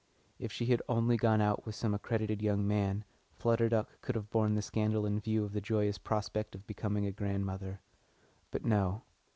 If she had only gone out with some accredited young man, Flutter Duck could have borne the scandal in view of the joyous prospect of becoming a grandmother. But no!